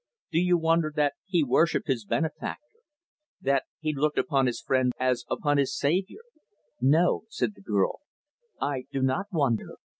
Do you wonder that he worshipped his benefactor that he looked upon his friend as upon his savior?" "No," said the girl, "I do not wonder.